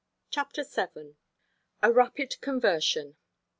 CHAPTER VII. A RAPID CONVERSION.